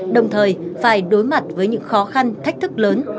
đồng thời phải đối mặt với những khó khăn thách thức lớn